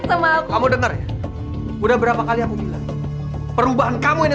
sebenarnya siapa sih dia ini